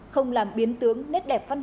không làm biến tướng nét đẹp văn hóa